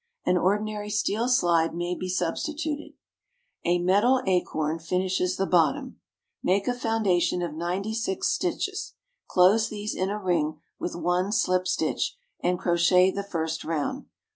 An ordinary steel slide may be substituted. A metal acorn finishes the bottom. Make a foundation of 96 st. (stitch), close these in a ring with 1 sl. (slip stitch), and crochet the 1st round.